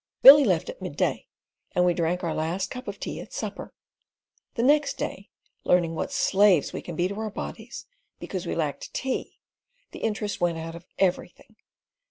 Billy left at midday, and we drank our last cup of tea at supper; the next day learned what slaves we can be to our bodies. Because we lacked tea, the interest went out of everything.